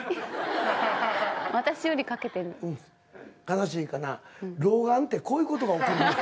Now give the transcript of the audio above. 悲しいかな老眼ってこういう事が起こるの。